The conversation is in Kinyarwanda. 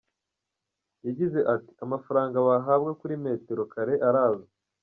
Yagize ati “Amafaranga bahabwa kuri metero kare arazwi.